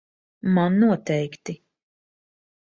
Man noteikti.